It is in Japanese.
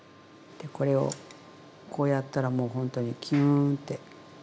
でこれをこうやったらもうほんとにきゅんって。